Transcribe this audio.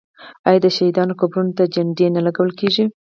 آیا د شهیدانو قبرونو ته جنډې نه لګول کیږي؟